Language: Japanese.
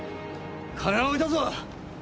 金は置いたぞ！